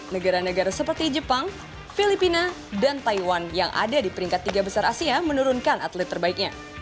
negara negara seperti jepang filipina dan taiwan yang ada di peringkat tiga besar asia menurunkan atlet terbaiknya